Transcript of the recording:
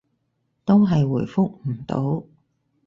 都係回覆唔到